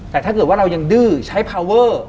แต่ถ้าเกิดว่าเรายังดื้อใช้พาวเวอร์